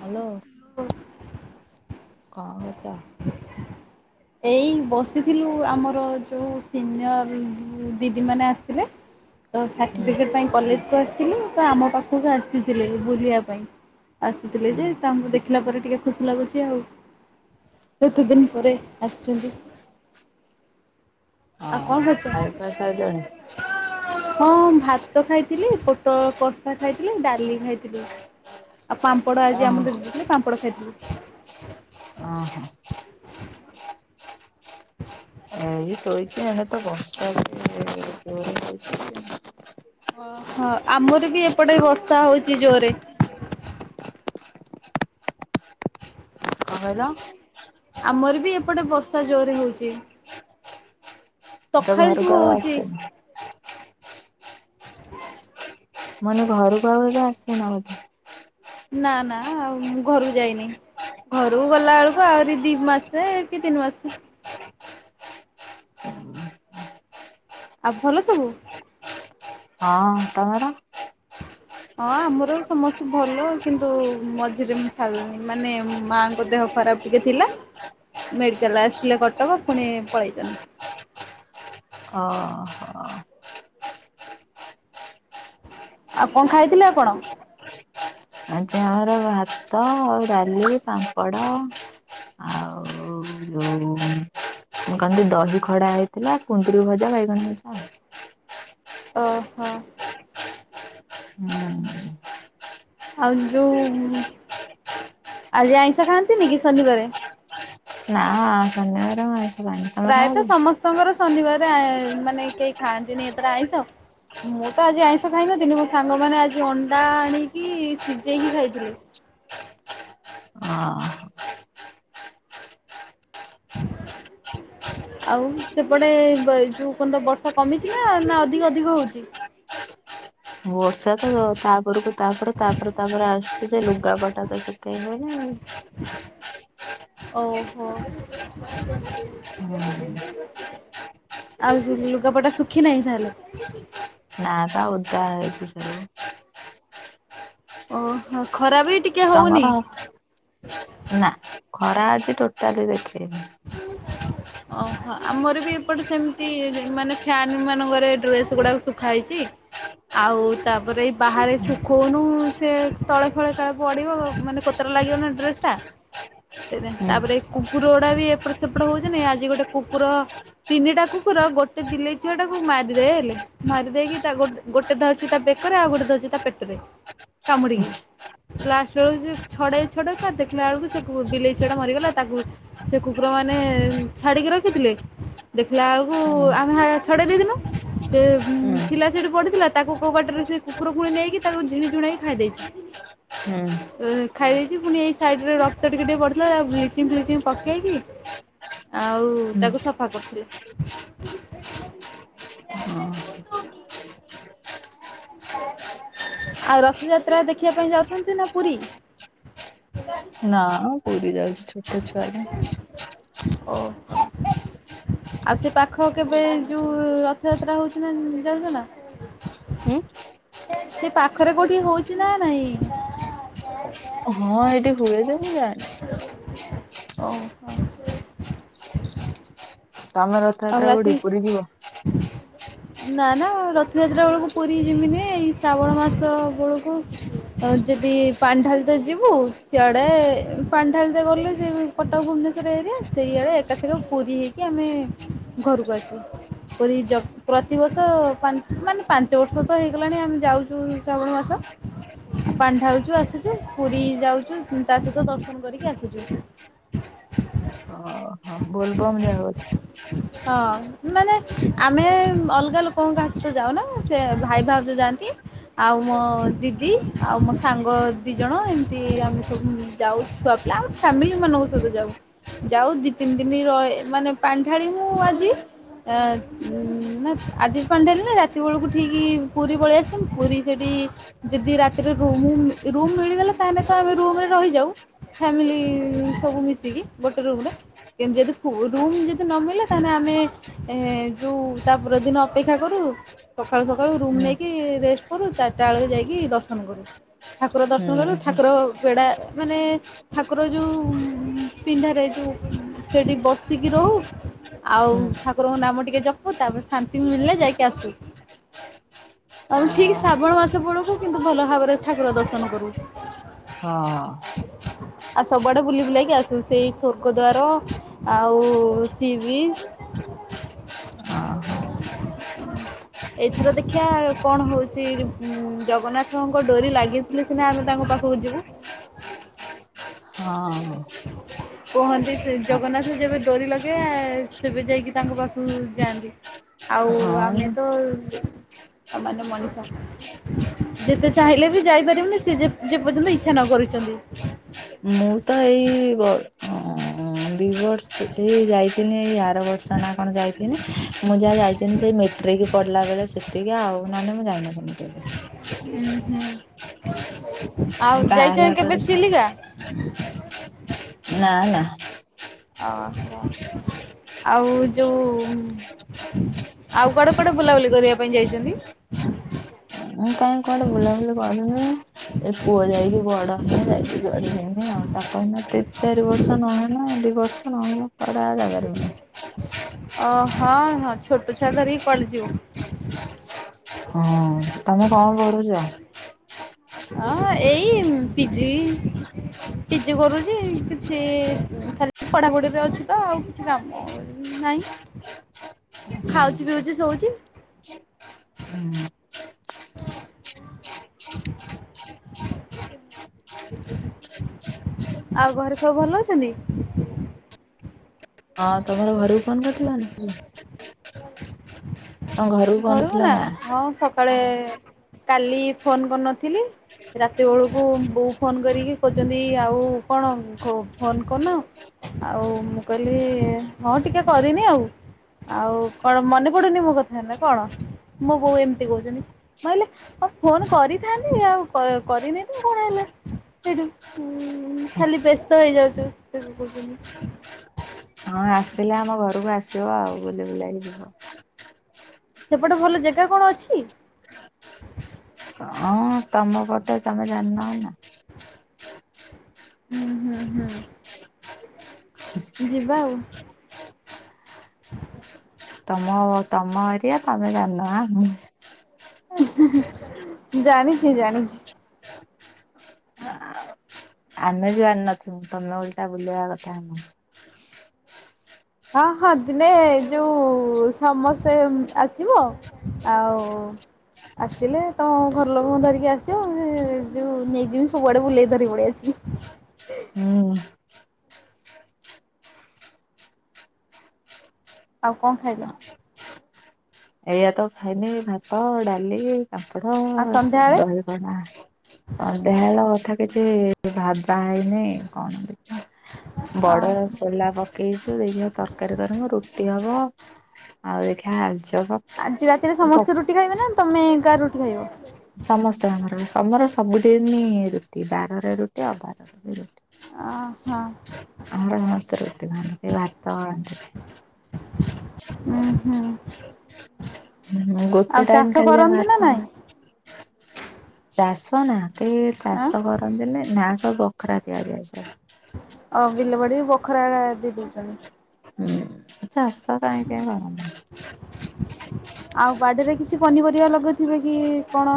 Hello hello. ହୁଁ। କଣ କରୁଚ? ଏଇ ବସିଥିଲୁ ଆମର ଯେଉ ସିନିୟର ଦିଦିମାନୋନ ଆସିଥିଲେ। ହ ତ ସାର୍ଟିଫିକେଟ ପାଇଁ କଲେଜକୁ ଆସିଥିଲେ ତ ଆମ ପାଖକୁ ଆସିଥିଲେ ବୁଝିବା ପାଇଁ ଆସୁଥିଲେ ହୁଁ। ଯେ ତାଙ୍କୁ ଦେଖିଲା ପରେ ଟିକେ ଖୁସି ଲାଗୁଛି ଆଉ କେତେ ଦିନି ପରେ ଆସୁଛନ୍ତି। ଆଉ କଣ ଓହୋ କରୁଛ ଖାଇପିଆ ସାରିଲଣି? ହଁ ଭାତ ଖାଇଥିଲି ପୋଟଳ କଷା ଖାଇଥିଲି ଡାଲି ଖାଇଥିଲି ଆଉ ପାମ୍ପଡ ଆଜି ଆମ ଦେଥିଲେ ପାମ୍ପଡ଼ ଖାଇଥିଲି। ଅହ। ଏଇ ଶୋଇଛି ଆଉ ଏଡେ ତ ଜୋରେ ବର୍ଷା ହଉଛି। ଓହୋ ଆମର ବି ଏପଟେ ବର୍ଷା ହଉଛି ଯୋରେ କଣ କହିଲ? ଆମର ବି ଏପଟେ ବର୍ଷା ଜୋରେ ହଉଛି। ମୁଁ ତ ଘରକୁ ସଖାଳଠୁ ଆଉ ହଉଚି। ଆସିନି। ମାନେ ଘରକୁ ଆଉ ଏବେ ଆସିନବୋଧେ। ନା ନା ମୁଁ ଘରକୁ ଯାଇନି। ଘରକୁ ଗଲା ବେଳକୁ ଆହୁରି ଦି ମାସ କି ତିନି ମାସ [unintelligible] ଆଉ ଭଲ ସବୁ ହଁ ତମର? ହଁ ଆମର ସମସ୍ତେ ଭଲ କିନ୍ତୁ ମଝିରେ ମୁ ମାନେ ମାଙ୍କ ଦେହ ଖରାପ ଟିକେ ଥିଲା ମେଡ଼ିକାଲ ଆସିଥିଲେ କଟକ ପୁଣି ପଳେଇଛନ୍ତି। ଅହ ହ। ଆଉ କଣ ଖାଇଥିଲେ ଆପଣ? ଆଜି ଆମର ଭାତ ଆଉ ଡାଲି ପାମ୍ପଡ଼ ଆଉ ଯୋଉ ମୁଁ କହିଲି ଦହି ଖଡା ହେଇଥିଲା କୁନ୍ଦୁରି ଭଜା ବାଇଗଣ ଭଜା ଅହ। ହୁଁ। ଆଉ ଯୋଉ ଆଜି ଆଇଁଷ ଖାଆନ୍ତିନି କି ଶନିବାରେ? ନାଁ ଶନିବାରେ ମୁଁ ଆଇଁଷ ଖା ପ୍ରାୟତଃ ସମସ୍ତଙ୍କର ଶନିବାର ମାନେ କେହି ଖାଆନ୍ତିନି ଏଥର ଆଇଁଷ ମୁଁ ତ ଆଜି ଆଇଁଷ ଖାଇନଥିଲି ମୋ ସାଙ୍ଗମାନେ ଆଜି ଅଣ୍ଡା ଆଣିକି ସିଝେଇକି ଖାଇଥିଲେ। ହଁ। ଆଉ ସେପଟେ ଯୋଉ କନ୍ତ ବର୍ଷା କମିଥିଲା ନା ଅଧିକ ଅଧିକ ହଉଛି। ବର୍ଷା ତ ତାପରକୁ ତାପର ତାପର ତାପର ଆସୁଛି ଯେ ଲୁଗାପଟା ତ ସବୁ [inaudible] ଆଉ ଅହୁ ହ। ହୁଁ ହୁଁ। ଆଉ ଲୁଗାପଟା ଶୁଖି ନାହିଁ ତାହେଲେ? ନାପା ଓଦା ଅଛି ସବୁ ଓହୋ ଖରା ବି ଟିକେ ହଉନି? ତମର ନା ଖରା ଆଜି ଟୋଟାଲି ଦେଖେଇନି ଓହୋ ଆମର ବି ଏପଟେ ସେମ୍ତି ମାନେ ଫ୍ୟାନ୍ ମାନଙ୍କରେ ଡ୍ରେସ୍ ଗୁଡାକ ସୁୁଖା ହେଇଚି। ଆଉ ତାପରେ ଏଇ ବାହାରେ ଶୁଖୋଉନୁ ସେ ତଳେ ଫଳେ କାଳେ ପଡିବ ମାନେ କୋତରା ଲାଗିବ ନା ଡ୍ରେସ୍ ଟା [unintelligible] ହୁଁ ତାପରେ ଏ କୁକୁର ଗୋଡା ବି ଏପଟ ସେପଟ ହଉଚନ୍ତି, ଆଜି ଗୋଟେ କୁକୁର ତିନିଟା କୁକୁର ଗୋଟେ ବିଲେଇ ଛୁଆଟାକୁ ମାରିଦେଲେ। ମାରି ଦେଇକି ତା ଗୋଟେ ଧରିଚି ତା ବେକରେ ଆଉ ଗୋଟେ ଧରିଚି ତା ପେଟରେ କାମୁଡିକି। ଲାଷ୍ଟ ବେଳୁକୁ ସେ ଛଡେଇ ଛଡେଇକା ଦେଖିଲା ବେଳୁକୁ ସେ ବିଲେଇ ଛୁଆଟା ମରିଗଲା ତାକୁ ସେ କୁ କୁକୁର ମାନେ ଛାଡିକି ରଖିଥିଲେ, ଦେଖିଲା ବେଳୁକୁ ହୁଁ ଆମେ ଛଡେଇ ଦେଇଥିନୁ। ସେ ହୁଁ ଥିଲା ସେଇଠି ପଡ଼ିଥିଲା, ତାକୁ କୋଉ ବାଟରେ ସେ କୁକୁର ପୁଣି ନେଇକି ତାକୁ ଝିଣି ଝୁଣେଇକି ଖାଇ ଦେଇେଚି। [inaudible] ଖାଇ ଦେଇଚି, ପୁଣି ଏଇ ସାଇଡ୍ ରେ ରକ୍ତ ଟିକେ-ଟିକେ ପଡିଥିଲା ତାକୁ ବ୍ଲିଚିଂ ଫ୍ଲିଚିଂ ପକେଇକି ଆଉ ହୁଁ। ତାକୁ ସଫା କରୁଥିଲେ। ହଁ ଆଉ ରଥଯାତ୍ରା ଦେଖିବା ପାଇଁ ଯାଉଛନ୍ତି ନା ପୁରୀ? ନାଁ ପୁରୀ ଯାଉଛି ଛୋଟେ ଛୁଆଟା। ଓହୋ। ଆଉ ସେ ପାଖ କେବେ ଯୋଉ ରଥଯାତ୍ରା ହଉଛି ନା ଯାଉଚ ନା? ସେ ପାଖରେ କୋଉଠି ହଉଚି ନା ନାଇଁ? ହଁ। ହଁ ଏଇଠି ହୁଏ ଯେ, ମୁଁ ଯାଏନି। ଓହୋ। ତମର ଆଉ ରାତି [inaudible] ନା-ନା ରଥଯାତ୍ରା ବେଳୁକୁ ପୁରୀ ଯିମିନି, ଏଇ ଶ୍ରାବଣ ମାସ ବେଳୁକୁ ଆଉ ଯଦି ପାଣିଢାଲିତେ ଯିବୁ, ସିଆଡେ ପାଣିଢାଲିିତେ ଗଲେ ଯେ କଟକ ଭୁବନେଶ୍ୱର ଏରିଆ ସେଇଆଡ଼େ ଏକାସଙ୍ଗେ ପୁରୀ ହଇକି ଆମେ ଘରୁକୁ ଆସିବୁ। ପୁରୀ ଜ ପ୍ରତିିବର୍ଷ ପା ମାନେ ପାଞ୍ଚ ବର୍ଷ ତ ହେଇଗଲାଣି ଆମେ ଯାଉଚୁ ଶ୍ରାବଣ ମାସ। [inaudible] ପାଣି ଢାଳୁଚୁ ଆସୁଚୁ, ପୁରୀ ଯାଉଚୁ ତା ସହିତ ଦର୍ଶନ କରିକି ଆସୁଚୁ। ଓହୋ ବୋଲବମ୍ ଯାଅ। ହଁ ମାନେ ଆମେ ଅଲଗା ଲୋକଙ୍କ କାହା ସହିତ ଯାଉନା, ସେ ଭାଇ ଭାଉଜ ଯାଆନ୍ତି। ଆଉ ମୋ ଦିଦି ଆଉ ମୋ ସାଙ୍ଗ ଦି ଜଣ ଏମ୍ତି ଆମେ ସବୁ ଯାଉ ଛୁଆ ପିଲା ଆମ ଫ୍ୟାମିଲି ମାନଙ୍କ ସହିତ ଯାଉ, ଯାଉ ଦି ତିନି ଦିନି ରହେ ମାନେ ପାଣି ଢ଼ାଳି ମୁଁ ଆଜି। ଏ ନା ଆଜି ପାଣି ଢାଳିଲେ ରାତି ବେଳୁକୁ ଠିକ୍ ପୁରୀ ପଳେଇ [unintelligible] ପୁରୀ ସେଇଠି ଯେଦି ରାତିରେ ରୁମୁ ରୁମ୍ ମିଳିଗଲା ତାହେଲେ ତ ଆମେ ରୁମ୍ ରେ ରହିଯାଉ। ଫ୍ୟାମିଲି ସବୁ ମିଶିକି ଗୋଟେ ରୁମ୍ ରେ, କିନ୍ତୁ ଯଦି ଫୁ ରୁମ୍ ଯ ଦି ନମିଳିଲା, ତାହେଲେ ଆମେ ଯୋଉ ତା ପରଦିନ ଅପେକ୍ଷା କରୁ ସଖାଳୁ-ସଖାଳୁ ରୁମ୍ ହୁଁ ନେଇକି ରେଷ୍ଟ କରୁ, ଚାରିଟା ବେଳେ ଯାଇକି ଦର୍ଶନ କରୁ। ଠାକୁର ଦର୍ଶନ କଲୁ, ହୁଁ ହୁଁ। ଠାକୁର ବେଡା ମାନେ ଠାକୁର ଯୋଉ ପିଣ୍ଢାରେ ଯୋଉ ସେଠି ବସିକି ରହୁ। ଆଉ ହୁଁ ଠାକୁରଙ୍କ ନାମ ଟିକେ ଜପୁ, ତାପରେ ଶାନ୍ତି ମିଳିଲେ ଯାଇକି ଆସୁ। ଓ ଆମେ ଠିକ୍ ଶ୍ରାବଣ ମାସ ବେଳୁକୁୁ କିନ୍ତୁ ଭଲ ଭାବରେ ଠାକୁର ଦର୍ଶନ କରୁ। ହଁ-ହଁ। ଆଉ ସବୁଆଡେ ବୁଲି ବୁଲାଇକି ଆସିବୁ, ସେଇ ସ୍ୱର୍ଗଦ୍ୱାର ଆଉ ଥି ବିସ୍ [inaudible] ଏଇଥର ଦେଖିଆ କଣ ହଉଛି? ଉଁ ଜଗନ୍ନାଥଙ୍କ ଡୋରି ଲାଗିଥିଲେ ସିନା ଆମେ ତାଙ୍କ ପାଖକୁ ଯିବୁ? ହଁ, ହଁ। କୁହନ୍ତି, ସେ ଜଗନ୍ନାଥ ଯେବେ ଡୋରି ଲଗେୟେ, ସେବେ ଯାଇକି ତାଙ୍କ ପାଖକୁ ଯାଆନ୍ତି। ଆଉ ହଁ ଆମେ ତ-ଅ ସାମାନ୍ୟ ମଣିଷ। ଯେତେ ଚାହିଁଲେ ବି ଯାଇପାରିବୁନି, ସେ ଯେ-ଯେ ପର୍ଯ୍ୟନ୍ତ ଇଚ୍ଛା ନ କରଛନ୍ତି। ମୁଁ ତ ଏଇ ଗଡ୍, ଅଁ ଦି ବର୍ଷ ଏଇ ଯାଇଥିନି, ଏଇ ଆର ବର୍ଷ ନା କଣ ଯାଇଥିନି? ମୁଁ ଯାହା ଯାଇଥିନି, ସେଇ ମେଟ୍ ରିକି ପଢିଲା ବେଳେ ସେତିକି, ଆଉ ନହେନେ, ମୁଁ ଯାଇନଥିନୀ କେଭେ? ଉୁଁ, ହୁଁ ଏ ଆଉ ବାହା ହେଲା ଯାଇଚନ୍ କେବେ ପରେ ଥରେ। ଚିଲିକା? ନାଁ, ନା। ଓହୋ!। ଆଉ ଯଉଁମ୍ ଆଉ କୁଆଡେ କୁଆଡେ ବୁଲାବୁଲି କରିବା ପାଇଁ ଯାଇଚନ୍ତି? କାଇଁ, କୁଆଡେ ବଲାବୁଲି କରିନି? ଏ ପୁଅ ଯାଇକି ବଡ ହେନେ, ଯାଇକି ଜୁଆଡେ ଯିମି ଆଉ। ତାକୁ ଏଇନା ତିନି ଚାରିବର୍ଷ ନହେନେ, ଦି ବର୍ଷ ଆଉ କଡା ଜାଗାରେ [unintelligible] ଅ, ହଁ, ହଁ ଛୋଟ ଛୁଆ ଧରିକି କୁଆଲେ ଯିବ? ହୁଁ, ତମେ କଣ କରୁଛ? ହଁ, ଏଇ ପିଜି। ପିଜି କରୁଛି, କିଛି ଖାଲି ପଢାପଢିରେ ଅଛି ତ, ଆଉ କିଛି କାମ ନାଇଁ। ଖାଉଛି, ପିଉଛି, ଶୋଉଛି। ହୁଁ। ଆଉ ଘରେ ସବୁ ଭଲ ଅଛନ୍ତି? ହଁ, ତମର ଘରକୁ ଫୋନ୍ କରିଥିଲା ନା? [inaudible] ତମ ଘରକୁ ଫୋନ ଘରୁକୁ କରିଥିଲ ନା! ହଁ ସକାଳେ କାଲି ଫୋନ୍ କରିନଥିଲି। ରାତି ବେଳକୁ ବୋଉ ଫୋନ୍ କରିକି କହୁଛନ୍ତି, ଆଉ କଣ କ ଫୋନ୍ କରୁ୍ନ୍? ଆଉ, ମୁଁ କହିଲି, ହଁ ଟିକେ କରିନି ଆଉ। ଆଉ କଣ ମନେ ପଡୁନି ମୋ କଥା ନା କଣ? ମୁଁ ବୋଉ ଏମିତି କହୁଛନ୍ତି। ନହେଲେ ଫୋନ୍ କରିଥାନ୍ତି, ଆଉ କ-କରିନେଇ ତ କଣ ହେଲା। ସେଇଠୁ ଉଁ ଖାଲି ବ୍ୟସ୍ତ ହେଇଯାଉଛୁ, ସିଏ ବି କହୁଛନ୍ତି? ହଁ ଆସିଲେ ଆମ ଘରକୁ ଆସିବ ଆଉ, ବୁଲି ବୁଲାକି ଯିବ। ସେପଟେ ଭଲ ଜେଗା କଣ ଅଛି? ହଁ, ତମ ପଟେ ତମେ ଜାଣିିନ, ଏନା? ହୁଁ, ହୁଁ, ହୁଁ, ଯିବା ଆଉ। ତମ-ଅ ତମ ଏରିଆ ତମେ ଜାଣିନ ଆଁ ଉ, ହୁଁ, ହୁଁ, ଜାଣିଚି ଜାଣିଛି। ଆମେ ଜାଣିିନଥିବୁ, ତମେ ଓଲ୍ ଟା ବୁଲେଇବା କଥା ଆମକୁ। ହଁ, ହଁ ଦିନେ-ଏ ଯୋଉ ସମସ୍ତେ ଆସିବ। ଆଉ-ଉ ଆସିଲେ ତମ ଘର ଲୋକଙ୍କୁ ଧରିକି ଆସିବ, ସେ ଯୋଉ ନେଇଯିମି, ସବୁଆଡେ ବୁଲେଇ ଧରିକି ପଳେଇ ଆସିବି। ହୁଁ। ଆଉ କଣ ଖାଇଲ? ଏଇଆ ତ ଖାଇନି ଭାତ, ଡାଲି, ପାମ୍ପଡ, ଆଉ ସ ସନ୍ଧ୍ୟାବେଳେ ଦହି ଅଭଡ଼ା, ସନ୍ଧ୍ୟାବେଳ କଥା କିଛି ଭାବା ହେଇନେଇ କଣ ଅ ବଡ ରାଶି ସୋଲା ପକେଇଛୁ ଦେଖିବା ତରକାରୀ କରିମୁ, ରୁଟି ହବ ଆଉ ଦେଖିବା ଆଳୁଚପ ଆଜି ରାତିରେ ସମସ୍ତେ ରୁଟି ଖାଇବେ ନା ତମେ ଏକା ରୁଟି ଖାଇବ? ସମସ୍ତେ ଆମର, ଆମର ସବୁଦିନି ରୁଟି। ବାରରେ ରୁଟି ଆଉ ଅବାରର ବି ରୁଟି। ଓ ହଁ। ଆମର ସମସ୍ତେ ରୁଟି ଖାଆନ୍ତି। କେହି ଭାତ ରାତିରେ ଉଁ ହୁଁ। ହଁ, ଆଉ ଗୋଟେ ଚାଷ ଟାଇମ୍ ଖାଲି ଯାହା କରନ୍ତି ଭାତ ନା ନାଇଁ? ଖାଆ ଚାଷ ନା, କେହି ଆଁ ଚାଷ କର ନ୍ତିନି, ନାଁ ସବୁ ବଖରା ଦିଆଯାଇଛି। ଅ ବିଲବାଡି ବଖରା ଏକା ଦେଇ ଦେଇଛନ୍ତି? ହୁଁ, ଚାଷ କାଇଁ କେହି କରନ୍ତିନି। ଆଉ ବାଡିରେ କିଛି ପନିପରିବା ଲଗଉଥିବେ କି କଣ?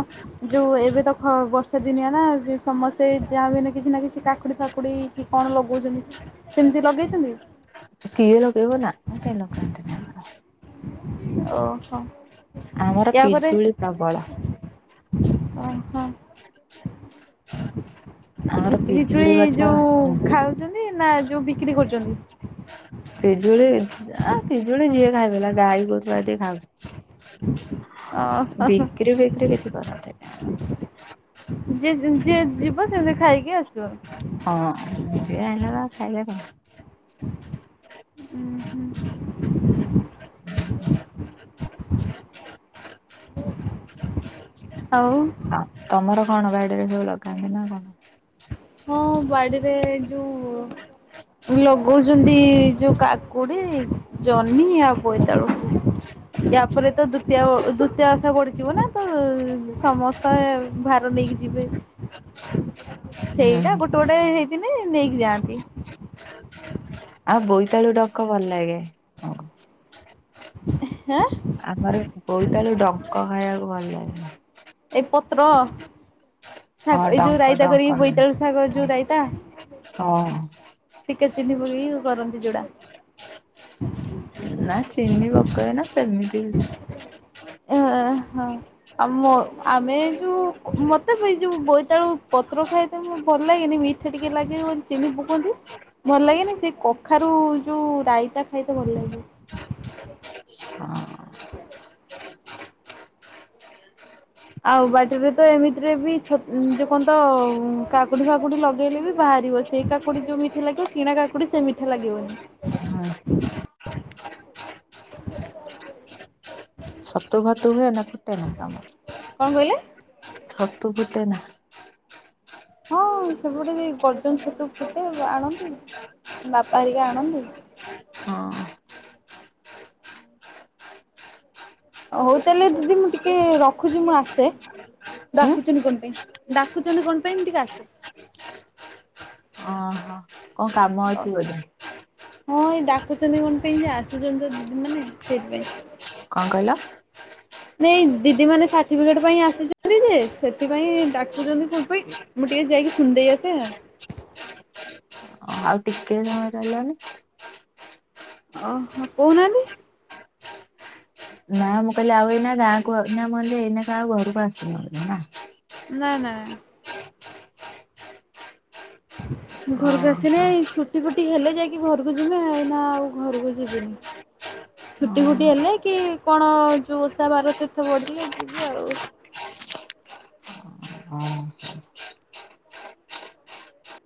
ଯୋଉ ଏବେ ଦଖ ବର୍ଷାଦିନିଆ ନା, ଯେ ସମସ୍ତେ ଯାହାବି ହେନେ କିଛି ନା କିଛି କାକୁଡି ଫାକୁଡି କି କଣ ଲଗଉଚନ୍ତି, ସେମତି ଲଗେଇଚନ୍ତି? କିଏ ଲଗେଇବ ନା, ଆମର କେହି ଲଗାନ୍ତିନି ଆମର। ଓହୋ। ଆମର ପିଜୁଳି ପ୍ରବଳ। ଅହୋ। ଆମର ପିଜୁଳି ପି-ପିଜୁଳି ଗଛ ଯୋଉ ହଁ ଖାଉଛନ୍ତି, ନା ଯୋଉ ବିକ୍ରି କରୁଚନ୍ତି? ପିଜୁଳି ଆ ପିଜୁଳି ଯିଏ ଖାଇଦେଲା, ଗାଈ ଗୋରୁ ଆଦି ଖାଉଚନ୍ତି। ଓହୋ ବିକ୍ରି ଫିକ୍ରି କିଛି କରାହୁଏନି ଆମର। ଯି-ଏମ ଯିଏ ଯିବ ସେମତି ଖାଇକି ଆସିବ? ହଁ, ଯିଏ ଆଇଲା ବା ଖାଇଲେ ର ଉଁ ହୁଁ। ଆଉ ହଁ ତମର କଣ ବାଡିରେ ସବୁ ଲଗାନ୍ତି ନା କଣ? ହଁ, ବାଡିରେ ଯୋଉ ଲଗଉଚନ୍ତି ଯୋଉ କାକୁଡି, ଜହ୍ନି ଆଉ ବୋଇତାଳୁ। ୟା ପରେ ତ ଦ୍ୱିତୀୟା ଅ ଦ୍ଵିତୀୟା ଓଷା ବଢ଼ିଯିବ ନା, ତ ସମସ୍ତେ ଭାର ନେଇକି ଯିବେ। ସେଇଟା ହୁଁ ଗୋଟେ ଗୋଟେ ହେଇଥିନେ ନେଇକି ଯାଆନ୍ତି। ଆଉ ବୋଇତାଳୁ ଡଙ୍କ ଭଲ ଲାଗେ। ହେଁ? ଆମର ବୋଉତାଳୁ ଡଙ୍କ ଖାଇବାକୁ ଭଲ ଲାଗେ। ଏଇ ପତ୍ର, ହଁ ଶାଗ ଏଇ ଯୋଉ ଡଙ୍କ ରାଇତା ଡଙ୍କ କରିକି, ହଁ ବୋଇତାଳୁ ଶାଗ ଯୋଉ ରାଇତା? ଟିକେ ଚିନି ପକେଇକି କରନ୍ତି ଯୋଉଡା। ନା ଚିିନି ପକାଏ ନା ସେମତି ଅ ହ ଆ ମୋ ଆମେ ଯୋଉ ମତେ ବି ଏ ଯୋଉ ବୋଇତାଳୁ ପତ୍ର ଖାଇତେ ମୁଁ ଭଲ ଲାଗେନି, ମିଠା ଟିକେ ଲାଗେ ବୋଲି ଚିନି ପକନ୍ତି ଭଲ ଲାଗେନି, ସେଇ କଖାରୁ ଯୋଉ ରାଇତା ଖାଇତେ ଭଲ ଲାଗେ। ହଁ ଆଉ ବାଡିରେ ତ ଏମିତିରେ ବି ଛତ ଯୋଉ କଣ ତ କାକୁଡି ଫାକୁଡି ଲଗେଇଲେ ବି ବାହାରିବ ସିଏ। ସେଇ କାକୁଡି ଯୋଉ ମିଠା ଲାଗିବ କିଣା କାକୁଡି ସେ ମିଠା ଲାଗିବନି। ହଁ। [inaudible] ଛତୁ ଫତୁ ହୁଏ ନା ଫୁଟେନା [unintelligible] କଣ କହିଲେ? ଛତୁ ଫୁଟେ ନା ହଁ ସେପଟେ ଗର୍ଜନ ଛତୁ ଫୁଟେ ଆଣନ୍ତି ବାପା ହେରିକା ଆଣନ୍ତି। ହଁ। ହଉ ତାହେଲେ ଦିଦି ମୁଁ ଟିକେ ରଖୁଛି ମୁଁ ଆସେ। ହୁଁ। ଡାକୁଚନ୍ତି କଣ ପାଇଁ ଡାକୁଚନ୍ତି କଣ ପାଇଁ ମୁଁ ଟିକେ ଆସେ। ଅଁ ହୋ କଣ କାମ ଅଛି ବୋଧେ। ହଁ ଏଇ ଡାକୁଛନ୍ତି କଣ ପାଇଁ ଯେ ଆସିଛନ୍ତି ତ ଦିଦି ମାନେ ସେଇଥିପାଇଁ। କଣ କହିଲ? ନାଇଁ ଦିଦି ମାନେ ସାର୍ଟିଫିକେଟ ପାଇଁ ଆସିଛନ୍ତି ଯେ, ସେଥିପାଇଁ ଡାକୁଛନ୍ତି କଣ ପାଇଁ। ମୁଁ ଟିକେ ଯାଇକି ଶୁଣିଦେଇ ଆସେ। ହଁ ଆଉ ଟିକେ ସମୟ ଦେଲନି। ଅ ହୋ କହୁନାହାନ୍ତି। ନାଁ ମୁଁ କହିଲି ଆଉ ଏଇନା ଗାଁକୁ [unintelligible] [unintelligible] ଏଇନେ କେ ଆଉ ଘରୁକୁ ଆସିବେନି। ନା, ନା। ମୁଁ ଘରକୁ ଆସିନି ଓହୋ। ଏଇ ଛୁଟି ଫୁଟି ହେଲେ ଯାଇକି ଘରକୁ ଯିମି ଏଇନା ଆଉ ଘରକୁ ଯିବିନି। [inaudible] ଛୁଟି ହଁ ଫୁଟି ହେଲେ କି କଣ ଯେଉଁ ଓଷା ବାର ତୀର୍ଥ ବଢ଼ିଲେ ଯିବେ ଆଉ। ହଁ।